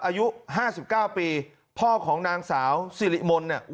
อายุห้าสิบเก้าปีพ่อของนางสาวสี่หลีมนต์เนี่ย